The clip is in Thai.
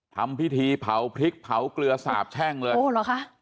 ทำพิธีเผาพริกเผาเกลือสาบแช่งเลยโอ้เหรอคะ